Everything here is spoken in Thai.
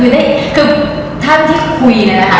เอ๊ะถ้าอยู่ที่คุยเนี้ยนะคะ